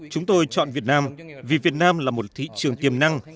chúng tôi chọn việt nam vì việt nam là một thị trường tiềm năng